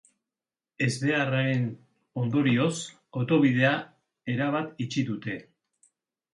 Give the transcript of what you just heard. Ezbeharraren ondorioz, autobidea erabat itxi dute.